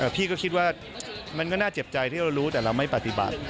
พี่ก็คิดว่ามันก็น่าเจ็บใจที่เรารู้แต่เราไม่ปฏิบัติ